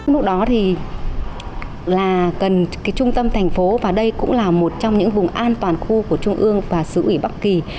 lúc đó thì là cần trung tâm thành phố và đây cũng là một trong những vùng an toàn khu của trung ương và xứ ủy bắc kỳ